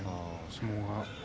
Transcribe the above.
相撲が。